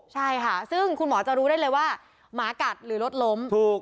ใช่ค่ะซึ่งคุณหมอจะรู้ได้เลยว่าหมากัดหรือรถล้ม